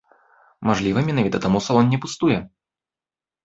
Мажліва, менавіта таму салон не пустуе.